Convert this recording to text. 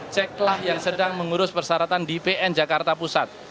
ceklah yang sedang mengurus persyaratan di pn jakarta pusat